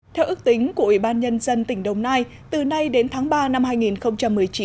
theo ước tính của ủy ban nhân dân tỉnh đồng nai từ nay đến tháng ba năm hai nghìn một mươi chín